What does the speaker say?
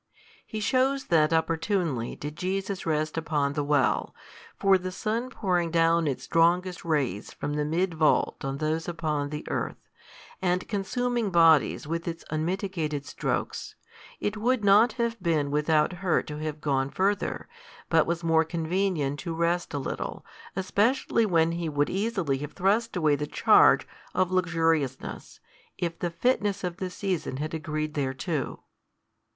He shews that opportunely did Jesus rest upon the well. For the sun pouring down its strongest rays from the mid vault on those upon the earth, and consuming bodies with its unmitigated strokes, it would not have been without hurt to have gone further, but was more convenient to rest a little, especially when He would easily have thrust away the charge of luxuriousness, if the fitness of the season had agreed thereto.